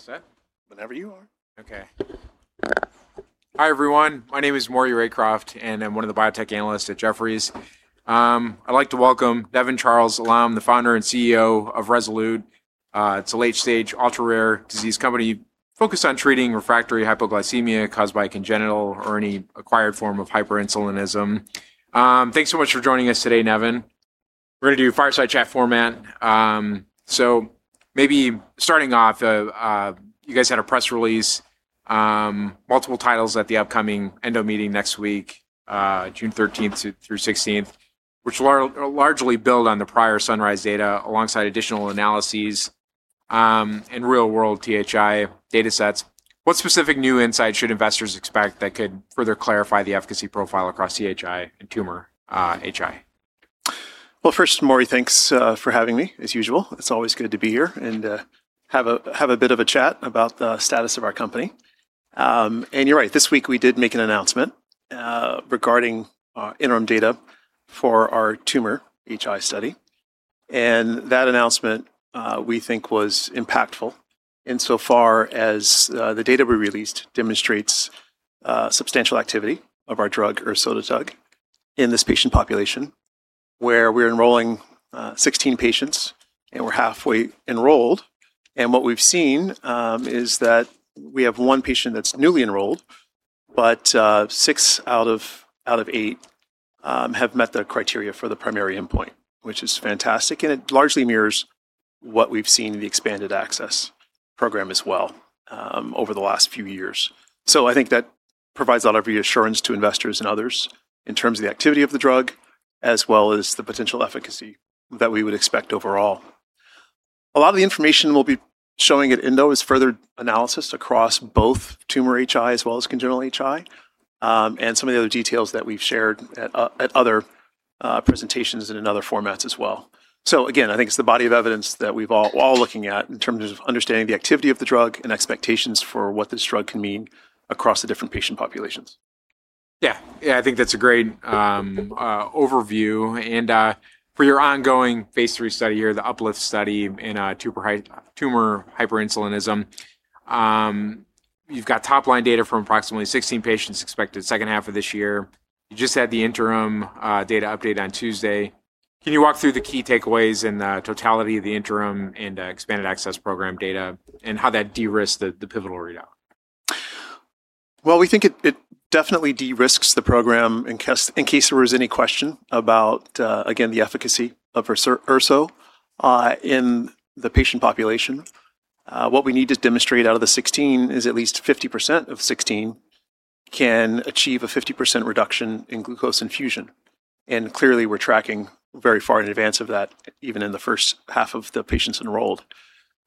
All set? Whenever you are. Hi, everyone. My name is Maury Raycroft, and I'm one of the biotech analysts at Jefferies. I'd like to welcome Nevan Charles Elam, the Founder and CEO of Rezolute. It's a late-stage ultra-rare disease company focused on treating refractory hypoglycemia caused by congenital or any acquired form of hyperinsulinism. Thanks so much for joining us today, Nevan. We're going to do fireside chat format. Maybe starting off, you guys had a press release, multiple titles at the upcoming Endo meeting next week, June 13th through 16th, which will largely build on the prior sunRIZE data alongside additional analyses, and real-world THI data sets. What specific new insight should investors expect that could further clarify the efficacy profile across THI and tumor HI? Well, first, Maury, thanks for having me, as usual. It's always good to be here and have a bit of a chat about the status of our company. You're right, this week we did make an announcement regarding interim data for our tumor HI study, and that announcement, we think was impactful insofar as the data we released demonstrates substantial activity of our drug, ersodetug, in this patient population, where we're enrolling 16 patients, and we're halfway enrolled. What we've seen is that we have one patient that's newly enrolled, but six out of eight have met the criteria for the primary endpoint, which is fantastic, and it largely mirrors what we've seen in the expanded access program as well over the last few years. I think that provides a lot of reassurance to investors and others in terms of the activity of the drug, as well as the potential efficacy that we would expect overall. A lot of the information we'll be showing at ENDO is further analysis across both tumor HI as well as congenital HI, and some of the other details that we've shared at other presentations and in other formats as well. Again, I think it's the body of evidence that we're all looking at in terms of understanding the activity of the drug and expectations for what this drug can mean across the different patient populations. Yeah. I think that's a great overview. For your ongoing phase III study or the upLIFT study in tumor hyperinsulinism, you've got top-line data from approximately 16 patients expected second half of this year. You just had the interim data update on Tuesday. Can you walk through the key takeaways and the totality of the interim and expanded access program data and how that de-risks the pivotal readout? Well, we think it definitely de-risks the program in case there was any question about, again, the efficacy of erso in the patient population. What we need to demonstrate out of the 16 is at least 50% of 16 can achieve a 50% reduction in glucose infusion. And clearly, we're tracking very far in advance of that, even in the first half of the patients enrolled.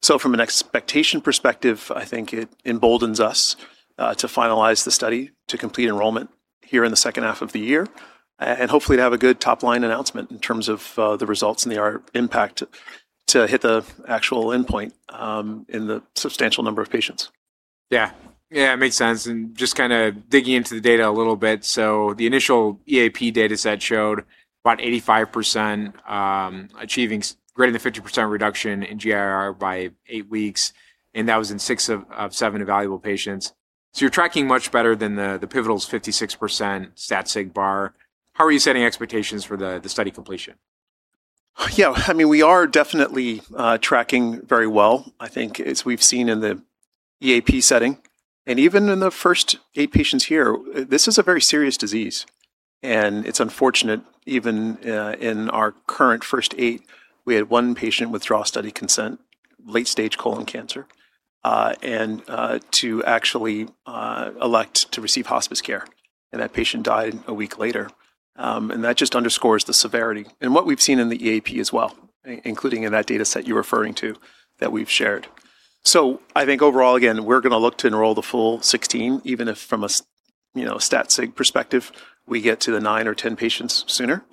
From an expectation perspective, I think it emboldens us to finalize the study, to complete enrollment here in the second half of the year, and hopefully to have a good top-line announcement in terms of the results and the impact to hit the actual endpoint in the substantial number of patients. Yeah. It makes sense. Just digging into the data a little bit, the initial EAP data set showed about 85% achieving greater than 50% reduction in GIR by eight weeks. That was in six of seven evaluable patients. You're tracking much better than the pivotal's 56% stat sig bar. How are you setting expectations for the study completion? Yeah. We are definitely tracking very well. I think as we've seen in the EAP setting, and even in the first eight patients here, this is a very serious disease, and it's unfortunate even in our current first eight, we had one patient withdraw study consent, late stage colon cancer, and to actually elect to receive hospice care, and that patient died a week later. That just underscores the severity, and what we've seen in the EAP as well, including in that data set you're referring to that we've shared. I think overall, again, we're going to look to enroll the full 16, even if from a stat sig perspective, we get to the nine or 10 patients sooner.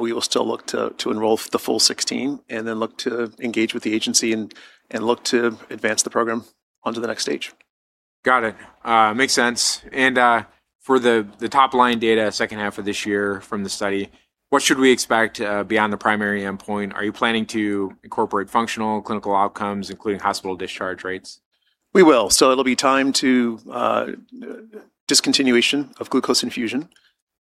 We will still look to enroll the full 16 and then look to engage with the agency and look to advance the program onto the next stage. Got it. Makes sense. For the top-line data second half of this year from the study, what should we expect beyond the primary endpoint? Are you planning to incorporate functional clinical outcomes, including hospital discharge rates? We will. It'll be time to discontinuation of glucose infusion.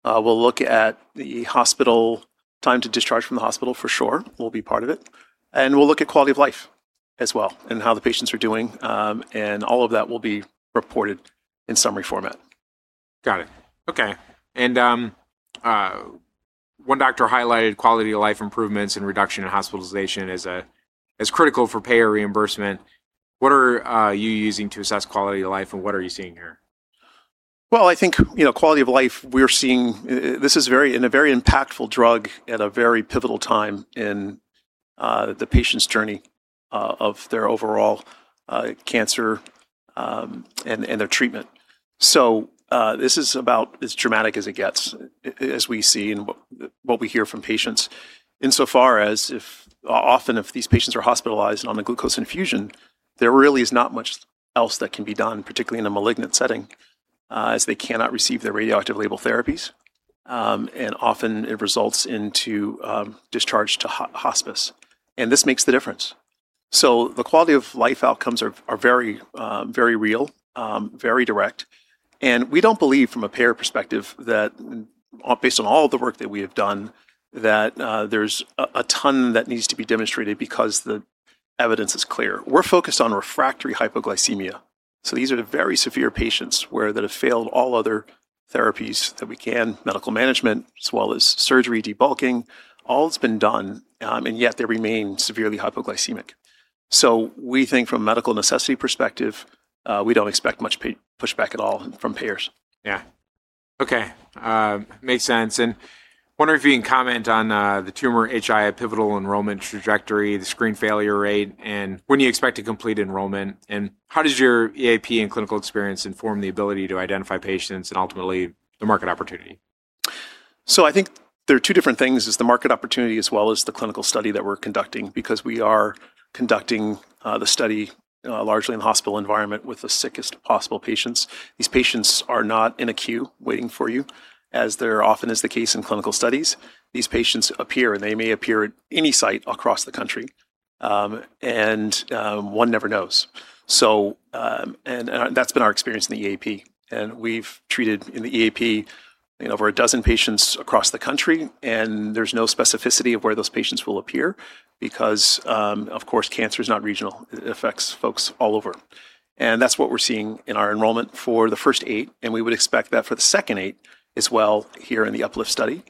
We'll look at the hospital time to discharge from the hospital for sure, will be part of it. We'll look at quality of life as well and how the patients are doing. All of that will be reported in summary format. Got it. Okay. One doctor highlighted quality-of-life improvements and reduction in hospitalization as critical for payer reimbursement. What are you using to assess quality of life, and what are you seeing here? Well, I think quality of life we're seeing, this is a very impactful drug at a very pivotal time in the patient's journey of their overall cancer and their treatment. This is about as dramatic as it gets as we see and what we hear from patients. Insofar as if often if these patients are hospitalized and on a glucose infusion, there really is not much else that can be done, particularly in a malignant setting, as they cannot receive their radiolabeled therapies. Often it results in discharge to hospice. This makes the difference. The quality of life outcomes are very real, very direct. We don't believe from a payer perspective that based on all the work that we have done, that there's a ton that needs to be demonstrated because the evidence is clear. We're focused on refractory hypoglycemia. These are the very severe patients that have failed all other therapies that we can, medical management as well as surgery debulking, all that's been done, and yet they remain severely hypoglycemic. We think from a medical necessity perspective, we don't expect much pushback at all from payers. Yeah. Okay. Makes sense. Wondering if you can comment on the tumor HI pivotal enrollment trajectory, the screen failure rate, and when do you expect to complete enrollment, and how does your EAP and clinical experience inform the ability to identify patients and ultimately the market opportunity? I think there are two different things, is the market opportunity as well as the clinical study that we're conducting because we are conducting the study largely in hospital environment with the sickest possible patients. These patients are not in a queue waiting for you, as there often is the case in clinical studies. These patients appear, they may appear at any site across the country. One never knows. That's been our experience in the EAP, and we've treated in the EAP over a dozen patients across the country, and there's no specificity of where those patients will appear because, of course, cancer is not regional. It affects folks all over. That's what we're seeing in our enrollment for the first eight, and we would expect that for the second eight as well here in the upLIFT study.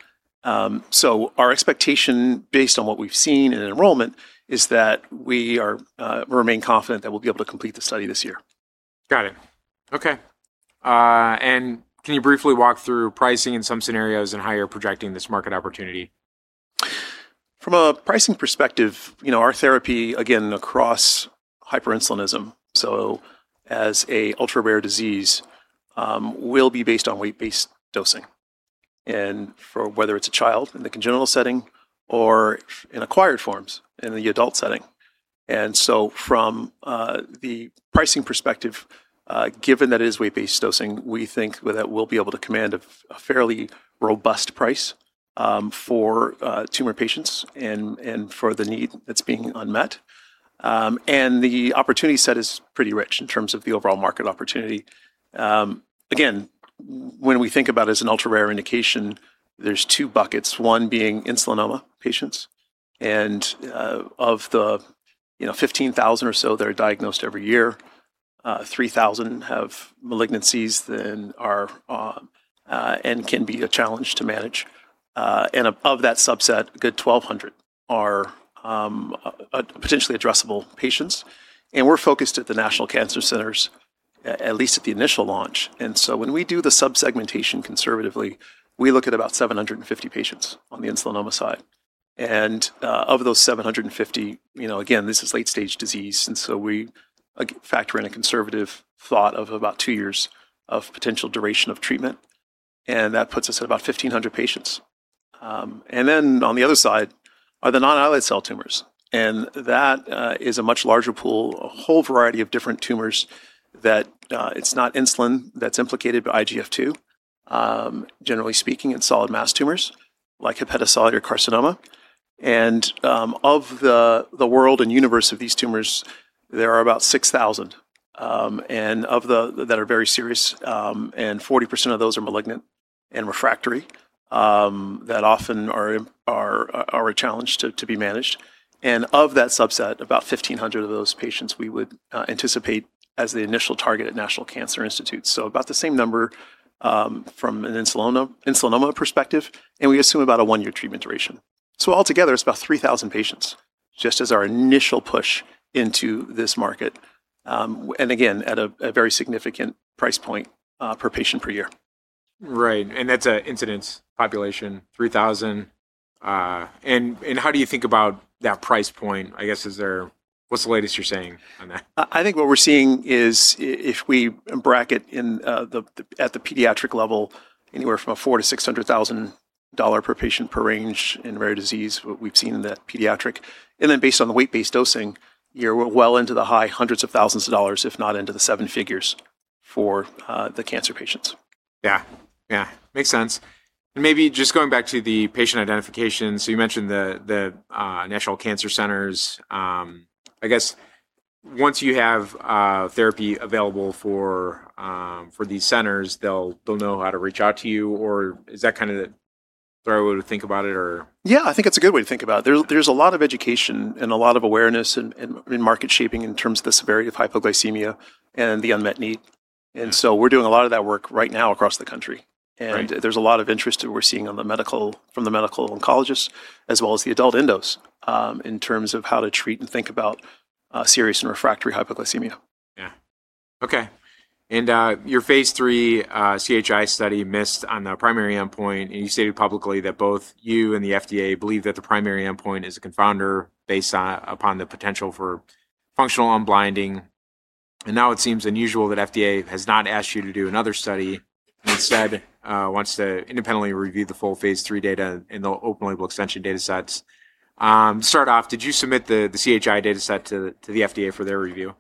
Our expectation based on what we've seen in enrollment is that we remain confident that we'll be able to complete the study this year. Got it. Okay. Can you briefly walk through pricing in some scenarios and how you're projecting this market opportunity? From a pricing perspective, our therapy, again, across hyperinsulinism, so as an ultra-rare disease, will be based on weight-based dosing, for whether it's a child in the congenital setting or in acquired forms in the adult setting. From the pricing perspective, given that it is weight-based dosing, we think that we'll be able to command a fairly robust price for tumor patients and for the need that's being unmet. The opportunity set is pretty rich in terms of the overall market opportunity. Again, when we think about it as an ultra-rare indication, there's two buckets, one being insulinoma patients. Of the 15,000 or so that are diagnosed every year, 3,000 have malignancies and can be a challenge to manage. Of that subset, a good 1,200 are potentially addressable patients. We're focused at the national cancer centers, at least at the initial launch. When we do the sub-segmentation conservatively, we look at about 750 patients on the insulinoma side. Of those 750, again, this is late stage disease, and so we factor in a conservative thought of about two years of potential duration of treatment, and that puts us at about 1,500 patients. On the other side are the non-islet cell tumors, and that is a much larger pool, a whole variety of different tumors that it's not insulin that's implicated, but IGF-2, generally speaking, in solid mass tumors like hepatocellular carcinoma. Of the world and universe of these tumors, there are about 6,000 that are very serious, and 40% of those are malignant and refractory, that often are a challenge to be managed. Of that subset, about 1,500 of those patients we would anticipate as the initial target at National Cancer Institute. About the same number from an insulinoma perspective, and we assume about a one-year treatment duration. Altogether, it's about 3,000 patients just as our initial push into this market. Again, at a very significant price point per patient per year. Right. That's an incidence population, 3,000. How do you think about that price point? I guess, what's the latest you're saying on that? I think what we're seeing is if we bracket at the pediatric level, anywhere from a $400,000 to $600,000 per patient per range in rare disease, what we've seen in the pediatric. Based on the weight-based dosing, we're well into the high hundreds of thousands of dollars, if not into the seven figures for the cancer patients. Yeah. Makes sense. Maybe just going back to the patient identification, so you mentioned the national cancer centers. I guess once you have therapy available for these centers, they'll know how to reach out to you, or is that the right way to think about it? Yeah, I think it's a good way to think about it. There's a lot of education and a lot of awareness in market shaping in terms of the severity of hypoglycemia and the unmet need. We're doing a lot of that work right now across the country. There's a lot of interest that we're seeing from the medical oncologists as well as the adult endos in terms of how to treat and think about serious and refractory hypoglycemia. Yeah. Okay. Your phase III CHI study missed on the primary endpoint, and you stated publicly that both you and the FDA believe that the primary endpoint is a confounder based upon the potential for functional unblinding. Now it seems unusual that FDA has not asked you to do another study, and instead wants to independently review the full phase III data in the open label extension datasets. To start off, did you submit the CHI dataset to the FDA for their review?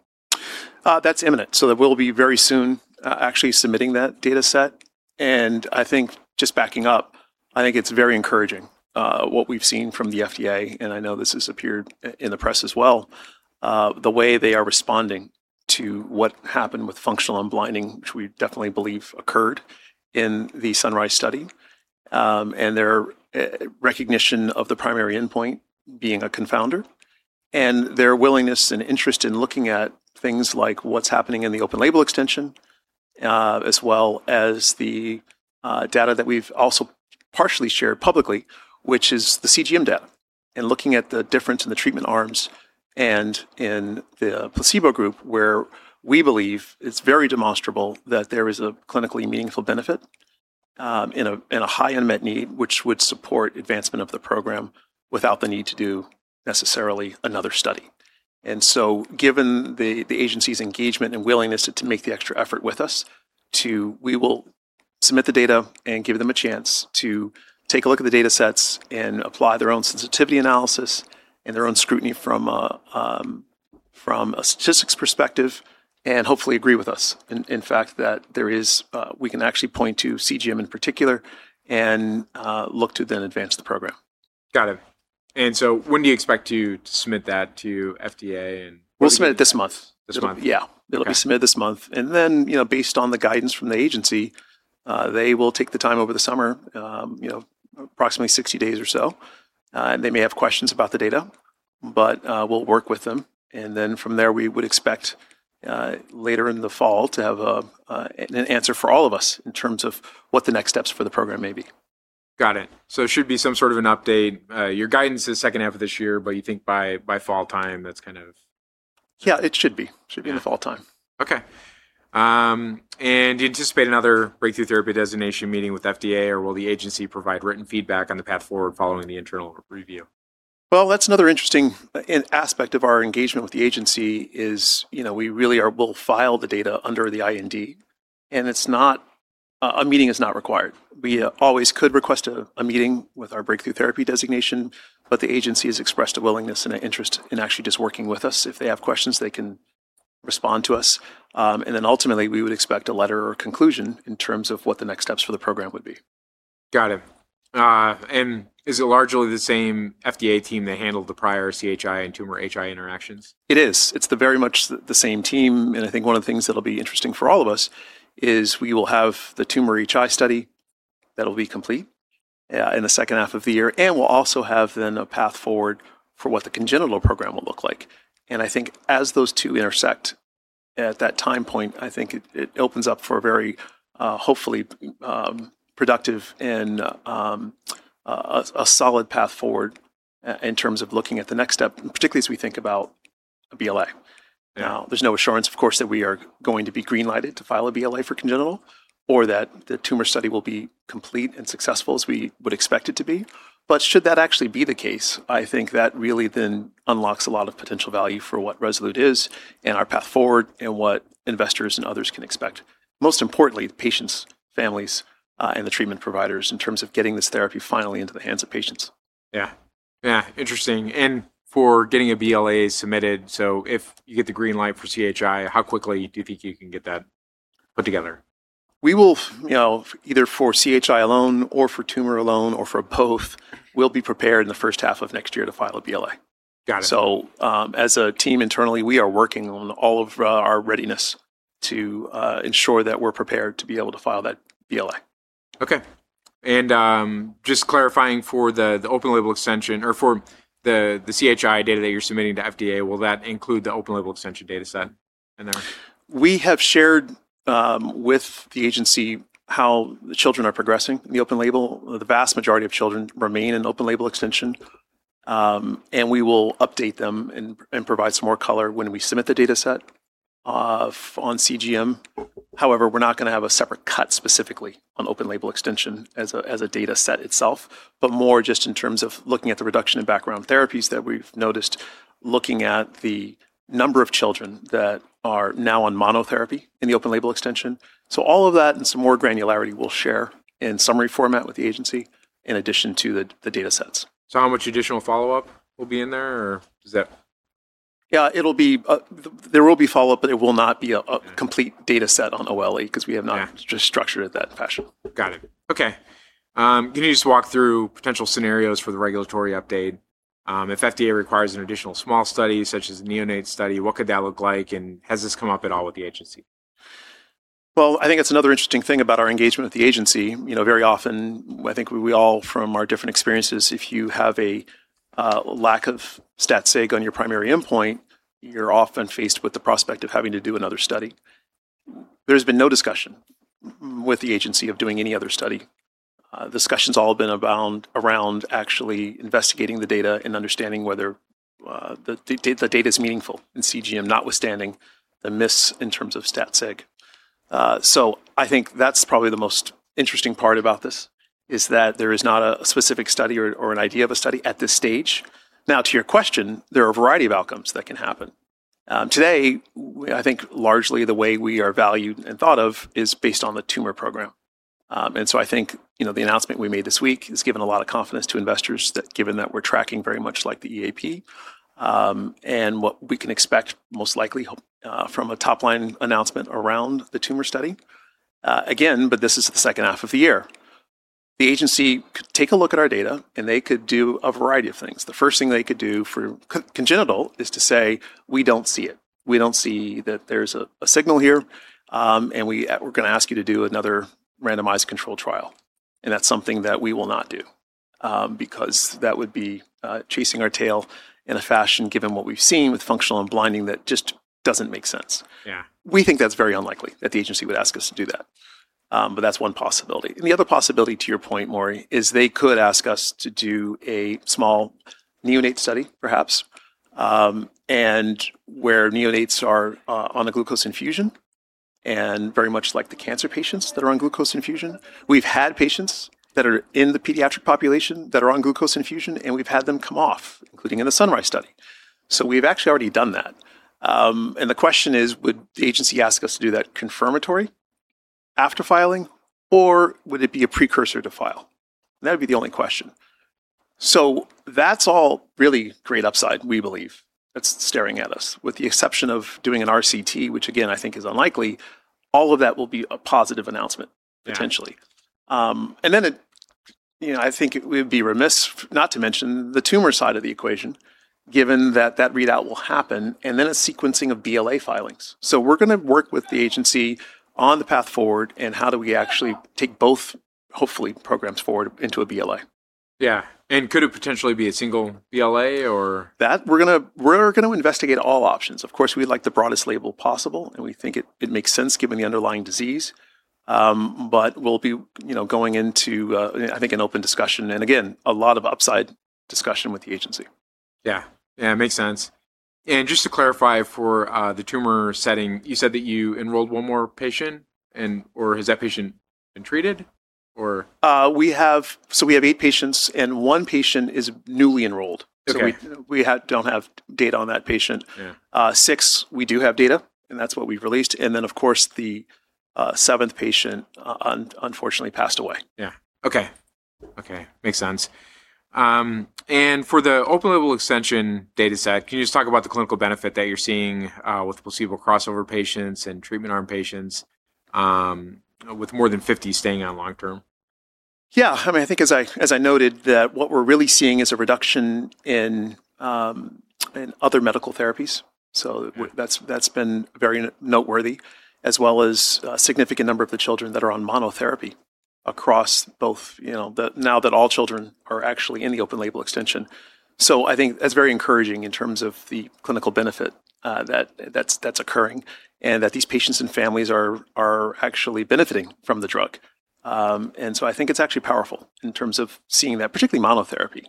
That's imminent. We'll be very soon actually submitting that data set. I think just backing up, I think it's very encouraging what we've seen from the FDA, and I know this has appeared in the press as well, the way they are responding to what happened with functional unblinding, which we definitely believe occurred in the sunRIZE study, and their recognition of the primary endpoint being a confounder, and their willingness and interest in looking at things like what's happening in the open label extension, as well as the data that we've also partially shared publicly, which is the CGM data. Looking at the difference in the treatment arms and in the placebo group, where we believe it's very demonstrable that there is a clinically meaningful benefit in a high unmet need, which would support advancement of the program without the need to do necessarily another study. Given the agency's engagement and willingness to make the extra effort with us, we will submit the data and give them a chance to take a look at the data sets and apply their own sensitivity analysis and their own scrutiny from a statistics perspective and hopefully agree with us, in fact, that we can actually point to CGM in particular and look to then advance the program. Got it. When do you expect to submit that to FDA? We'll submit it this month. This month? Yeah. Okay. It'll be submitted this month, and then based on the guidance from the agency, they will take the time over the summer, approximately 60 days or so. They may have questions about the data, but we'll work with them. From there, we would expect, later in the fall, to have an answer for all of us in terms of what the next steps for the program may be. Got it. It should be some sort of an update. Your guidance is the second half of this year, but you think by fall time. Yeah, it should be. Should be in the fall time. Okay. Do you anticipate another breakthrough therapy designation meeting with FDA, or will the agency provide written feedback on the path forward following the internal review? Well, that's another interesting aspect of our engagement with the agency is we really will file the data under the IND, and a meeting is not required. We always could request a meeting with our breakthrough therapy designation, but the agency has expressed a willingness and an interest in actually just working with us. If they have questions, they can respond to us. Ultimately, we would expect a letter or conclusion in terms of what the next steps for the program would be. Got it. Is it largely the same FDA team that handled the prior CHI and tumor HI interactions? It is. It's very much the same team, and I think one of the things that'll be interesting for all of us is we will have the tumor HI study that'll be complete in the second half of the year, and we'll also have then a path forward for what the congenital program will look like. I think as those two intersect at that time point, I think it opens up for a very, hopefully, productive and a solid path forward in terms of looking at the next step, particularly as we think about a BLA. Now, there's no assurance, of course, that we are going to be green-lighted to file a BLA for congenital, or that the tumor study will be complete and successful as we would expect it to be. Should that actually be the case, I think that really then unlocks a lot of potential value for what Rezolute is and our path forward and what investors and others can expect. Most importantly, the patients, families, and the treatment providers in terms of getting this therapy finally into the hands of patients. Yeah, interesting. For getting a BLA submitted, so if you get the green light for CHI, how quickly do you think you can get that put together? Either for CHI alone or for tumor alone or for both, we'll be prepared in the first half of next year to file a BLA. Got it. As a team internally, we are working on all of our readiness to ensure that we're prepared to be able to file that BLA. Okay. Just clarifying for the open label extension or for the CHI data that you're submitting to FDA, will that include the open label extension data set in there? We have shared with the Agency how the children are progressing in the open label. The vast majority of children remain in open label extension. We will update them and provide some more color when we submit the data set on CGM. However, we're not going to have a separate cut specifically on open label extension as a data set itself, but more just in terms of looking at the reduction in background therapies that we've noticed, looking at the number of children that are now on monotherapy in the open label extension. All of that and some more granularity we'll share in summary format with the Agency in addition to the data sets. How much additional follow-up will be in there? Yeah, there will be follow-up, but it will not be a complete data set on OLE because we have not just structured it that fashion. Got it. Okay. Can you just walk through potential scenarios for the regulatory update? If FDA requires an additional small study, such as a neonate study, what could that look like? Has this come up at all with the agency? Well, I think that's another interesting thing about our engagement with the agency. Very often, I think we all from our different experiences, if you have a lack of stat sig on your primary endpoint, you're often faced with the prospect of having to do another study. There's been no discussion with the agency of doing any other study. The discussion's all been around actually investigating the data and understanding whether the data's meaningful in CGM, notwithstanding the miss in terms of stat sig. I think that's probably the most interesting part about this is that there is not a specific study or an idea of a study at this stage. To your question, there are a variety of outcomes that can happen. Today, I think largely the way we are valued and thought of is based on the tumor program. So I think the announcement we made this week has given a lot of confidence to investors that given that we're tracking very much like the EAP, and what we can expect most likely from a top-line announcement around the tumor study. Again, this is the second half of the year. The agency could take a look at our data. They could do a variety of things. The first thing they could do for congenital is to say, "We don't see it. We don't see that there's a signal here. We're going to ask you to do another randomized control trial. That's something that we will not do, because that would be chasing our tail in a fashion, given what we've seen with functional unblinding, that just doesn't make sense. Yeah. We think that's very unlikely that the agency would ask us to do that. That's one possibility. The other possibility, to your point, Maury, is they could ask us to do a small neonate study, perhaps, and where neonates are on a glucose infusion and very much like the cancer patients that are on glucose infusion. We've had patients that are in the pediatric population that are on glucose infusion, and we've had them come off, including in the sunRIZE study. We've actually already done that. The question is, would the agency ask us to do that confirmatory after filing, or would it be a precursor to file? That would be the only question. That's all really great upside, we believe that's staring at us, with the exception of doing an RCT, which again, I think is unlikely. All of that will be a positive announcement potentially. I think we'd be remiss not to mention the tumor side of the equation, given that that readout will happen, and then a sequencing of BLA filings. We're going to work with the agency on the path forward and how do we actually take both, hopefully, programs forward into a BLA. Yeah. Could it potentially be a single BLA? That we're going to investigate all options. Of course, we'd like the broadest label possible, and we think it makes sense given the underlying disease. We'll be going into, I think, an open discussion and again, a lot of upside discussion with the agency. Yeah. Makes sense. Just to clarify for the tumor setting, you said that you enrolled one more patient, or has that patient been treated, or? We have eight patients, and one patient is newly enrolled. We don't have data on that patient. Six, we do have data, and that's what we've released. Then, of course, the seventh patient, unfortunately passed away. Yeah. Okay. Makes sense. For the open label extension data set, can you just talk about the clinical benefit that you're seeing with placebo crossover patients and treatment arm patients with more than 50 staying on long term? I think, as I noted, that what we're really seeing is a reduction in other medical therapies. That's been very noteworthy, as well as a significant number of the children that are on monotherapy across both, now that all children are actually in the open label extension. I think that's very encouraging in terms of the clinical benefit that's occurring and that these patients and families are actually benefiting from the drug. I think it's actually powerful in terms of seeing that, particularly monotherapy.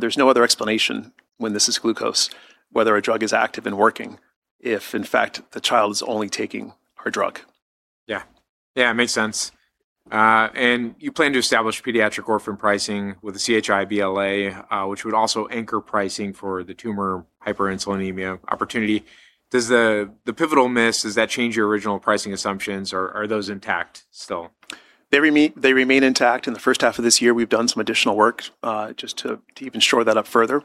There's no other explanation when this is glucose, whether a drug is active and working, if in fact the child is only taking our drug. Yeah. Makes sense. You plan to establish pediatric orphan pricing with the CHI BLA, which would also anchor pricing for the tumor hyperinsulinism opportunity. Does the pivotal miss change your original pricing assumptions, or are those intact still? They remain intact. In the first half of this year, we've done some additional work, just to even shore that up further.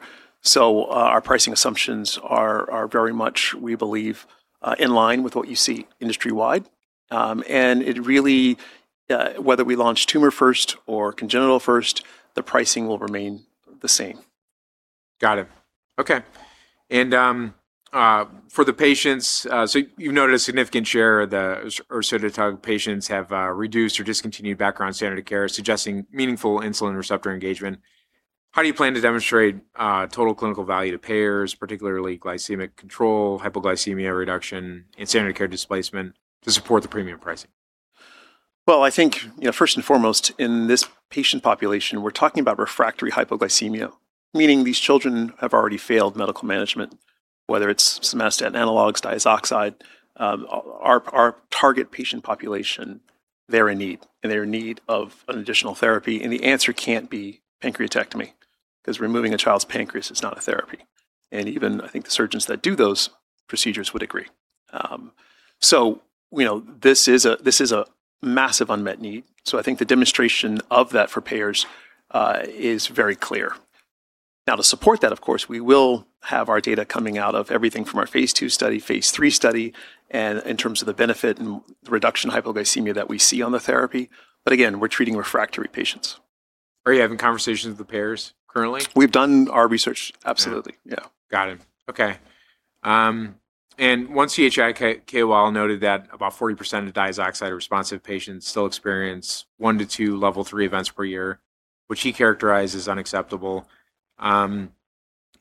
Our pricing assumptions are very much, we believe, in line with what you see industry-wide. It really, whether we launch Tumor first or Congenital first, the pricing will remain the same. Got it. Okay. For the patients, you've noted a significant share of the erso patients have reduced or discontinued background standard of care, suggesting meaningful insulin receptor engagement. How do you plan to demonstrate total clinical value to payers, particularly glycemic control, hypoglycemia reduction, and standard of care displacement to support the premium pricing? Well, I think, first and foremost, in this patient population, we're talking about refractory hypoglycemia, meaning these children have already failed medical management, whether it's somatostatin analogs, diazoxide. Our target patient population, they're in need, and they're in need of an additional therapy. The answer can't be pancreatectomy, because removing a child's pancreas is not a therapy. Even I think the surgeons that do those procedures would agree. This is a massive unmet need. I think the demonstration of that for payers is very clear. To support that, of course, we will have our data coming out of everything from our phase II study, phase III study, and in terms of the benefit and the reduction in hypoglycemia that we see on the therapy. Again, we're treating refractory patients. Are you having conversations with the payers currently? We've done our research, absolutely. Yeah. Yeah. Got it. Okay. One KOL, Kawal, noted that about 40% of diazoxide responsive patients still experience one to two level three events per year, which he characterized as unacceptable.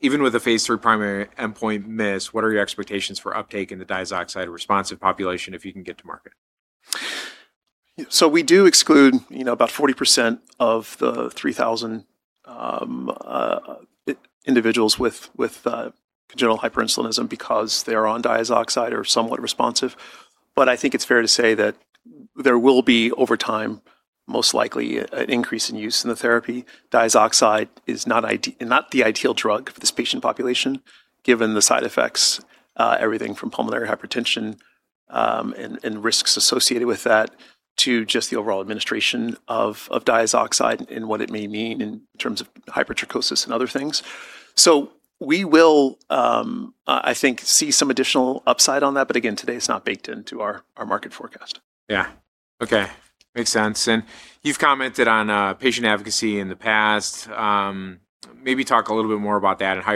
Even with a phase III primary endpoint miss, what are your expectations for uptake in the diazoxide responsive population if you can get to market? We do exclude about 40% of the 3,000 individuals with congenital hyperinsulinism because they are on diazoxide or somewhat responsive. I think it's fair to say that there will be, over time, most likely, an increase in use in the therapy. Diazoxide is not the ideal drug for this patient population, given the side effects, everything from pulmonary hypertension and risks associated with that to just the overall administration of diazoxide and what it may mean in terms of hypertrichosis and other things. We will, I think, see some additional upside on that, but again, today it's not baked into our market forecast. Yeah. Okay. Makes sense. You've commented on patient advocacy in the past. Maybe talk a little bit more about that and how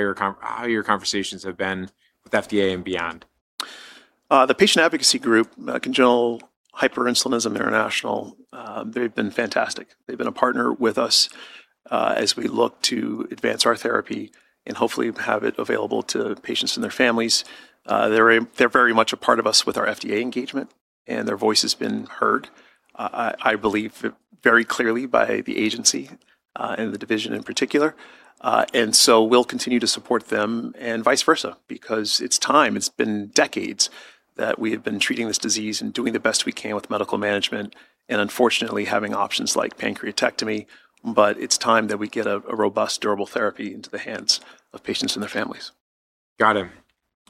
your conversations have been with FDA and beyond. The patient advocacy group, Congenital Hyperinsulinism International, they've been fantastic. They've been a partner with us as we look to advance our therapy, and hopefully have it available to patients and their families. They're very much a part of us with our FDA engagement, and their voice has been heard, I believe very clearly by the agency, and the division in particular. We'll continue to support them and vice versa because it's time. It's been decades that we have been treating this disease and doing the best we can with medical management, and unfortunately, having options like pancreatectomy. It's time that we get a robust, durable therapy into the hands of patients and their families. Got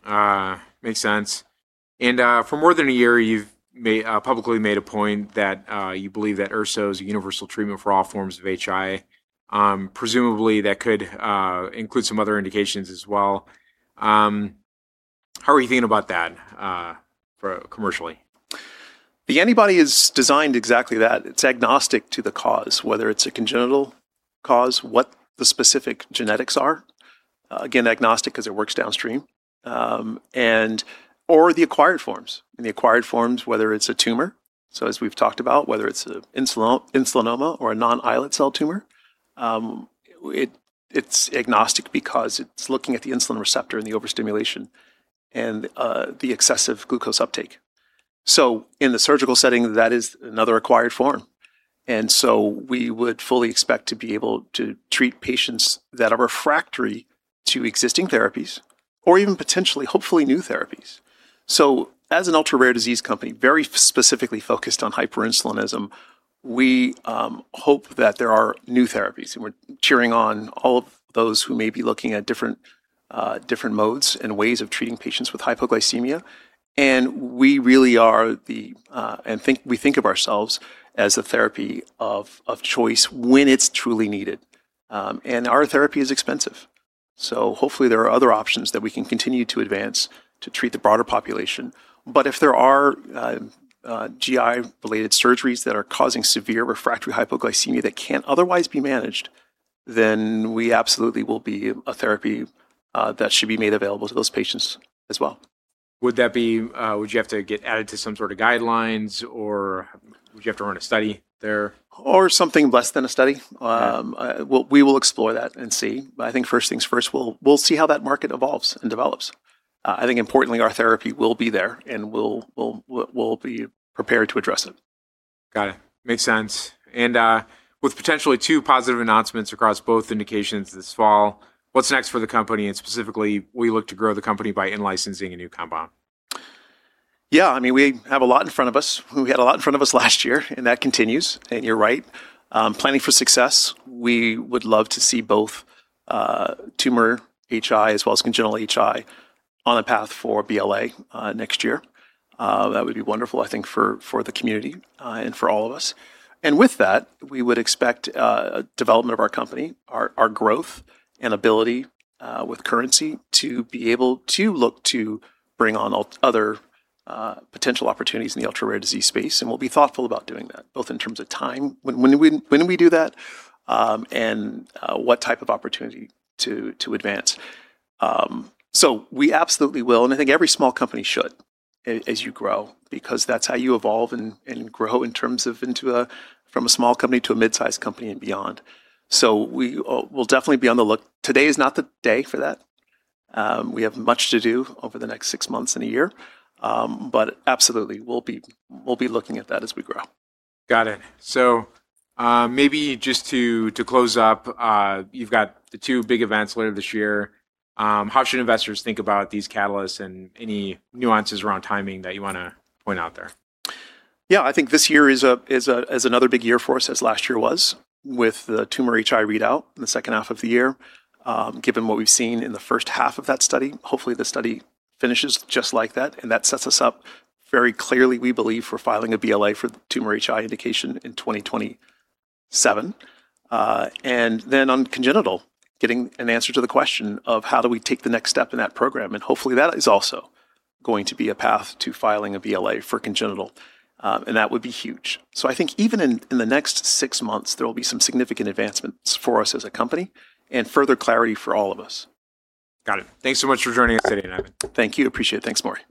it. Makes sense. For more than a year, you've publicly made a point that you believe that erso is a universal treatment for all forms of HI. Presumably, that could include some other indications as well. How are you thinking about that commercially? The antibody is designed exactly that. It's agnostic to the cause, whether it's a congenital cause, what the specific genetics are. Again, agnostic because it works downstream. Or the acquired forms. In the acquired forms, whether it's a tumor, as we've talked about, whether it's an insulinoma or a non-islet cell tumor. It's agnostic because it's looking at the insulin receptor and the overstimulation and the excessive glucose uptake. In the surgical setting, that is another acquired form. We would fully expect to be able to treat patients that are refractory to existing therapies or even potentially, hopefully, new therapies. As an ultra-rare disease company, very specifically focused on hyperinsulinism, we hope that there are new therapies, and we're cheering on all of those who may be looking at different modes and ways of treating patients with hypoglycemia. We really are, and we think of ourselves as the therapy of choice when it's truly needed. Our therapy is expensive. Hopefully there are other options that we can continue to advance to treat the broader population. If there are GI-related surgeries that are causing severe refractory hypoglycemia that can't otherwise be managed, then we absolutely will be a therapy that should be made available to those patients as well. Would you have to get added to some sort of guidelines, or would you have to run a study there? Something less than a study. Okay. We will explore that and see, but I think first things first, we'll see how that market evolves and develops. I think importantly, our therapy will be there, and we'll be prepared to address it. Got it. Makes sense. With potentially two positive announcements across both indications this fall, what's next for the company? Specifically, will you look to grow the company by in-licensing a new compound? Yeah, we have a lot in front of us. We had a lot in front of us last year, and that continues, and you're right. Planning for success, we would love to see both tumor HI as well as congenital HI on a path for BLA next year. That would be wonderful, I think, for the community and for all of us. With that, we would expect development of our company, our growth and ability with currency to be able to look to bring on other potential opportunities in the ultra-rare disease space, and we'll be thoughtful about doing that, both in terms of time, when we do that, and what type of opportunity to advance. We absolutely will, and I think every small company should as you grow because that's how you evolve and grow in terms of from a small company to a mid-size company and beyond. We'll definitely be on the look. Today is not the day for that. We have much to do over the next six months and a year. Absolutely, we'll be looking at that as we grow. Got it. Maybe just to close up, you've got the two big events later this year. How should investors think about these catalysts and any nuances around timing that you want to point out there? I think this year is another big year for us as last year was with the tumor HI readout in the second half of the year. Given what we've seen in the first half of that study, hopefully the study finishes just like that, and that sets us up very clearly, we believe, for filing a BLA for the tumor HI indication in 2027. On congenital, getting an answer to the question of how do we take the next step in that program, and hopefully that is also going to be a path to filing a BLA for congenital. That would be huge. I think even in the next six months, there will be some significant advancements for us as a company and further clarity for all of us. Got it. Thanks so much for joining us today, Nevan. Thank you. Appreciate it. Thanks, Maury.